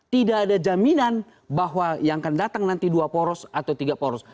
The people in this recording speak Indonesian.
tidak ada jaminan bahwa yang akan datang nanti dua poros atau tiga poros